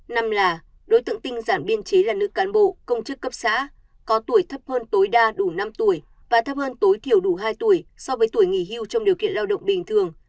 năm là đối tượng tinh giản biên chế là nữ cán bộ công chức cấp xã có tuổi thấp hơn tối đa đủ năm tuổi và thấp hơn tối thiểu đủ hai tuổi so với tuổi nghỉ hưu trong điều kiện lao động bình thường